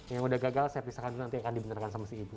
yang udah gagal saya pisahkan dulu nanti akan dibenarkan sama si ibu